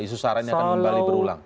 isu sara ini akan kembali berulang